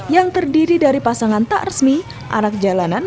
yang terdiri dari pasangan tak resmi anak jalanan